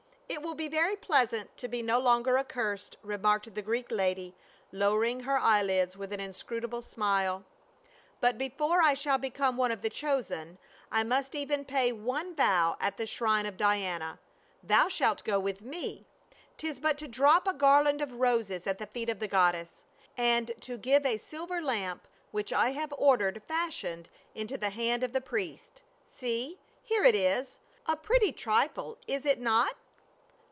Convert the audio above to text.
" It will be very pleasant to be no longer accursed," remarked the Greek lady, lowering her eyelids with an inscrutable smile. "But before I shall become one of the chosen, I must even pay one vow at the shrine of Diana. Thou shalt go with me ; 'tis but to drop a garland of roses at the feet of the goddess, and to give a silver lamp which I have ordered fashioned into the hand of the priest. See, here it is ; a pretty trifle, is it not?"